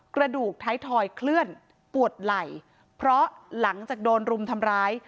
กระดูกท้ายทอยเคลื่อนปวดไหล่เพราะหลังจากโดนรุมทำร้าย